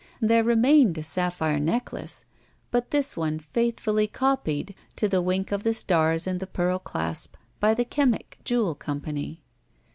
There remained a sapphire necklace, but this one faith fully copied to the wink of the stars and the pearl clasp by the Chemic Jewel Company.